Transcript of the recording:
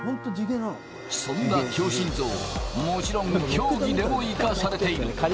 そんな強心臓、もちろん競技でも生かされている。